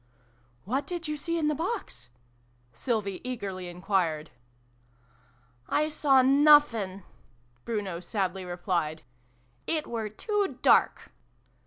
" What did you see in the box ?" Sylvie eagerly enquired. "I saw nuffinf" Bruno sadly replied. "It were too dark